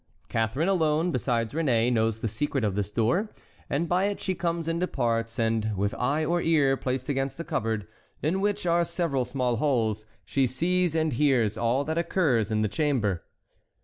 Catharine alone, besides Réné, knows the secret of this door, and by it she comes and departs; and with eye or ear placed against the cupboard, in which are several small holes, she sees and hears all that occurs in the chamber.